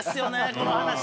この話。